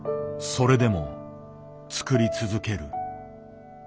それでも作り続ける。